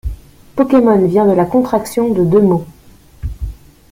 Pokemon vient de la contraction de deux mots.